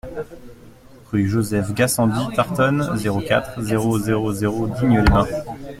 Rue Joseph Gassendy Tartonne, zéro quatre, zéro zéro zéro Digne-les-Bains